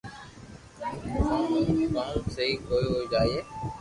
ھين ڪيو ھون ڪو سب سھي ھوئي جائي